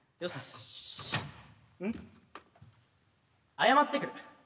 謝ってくる。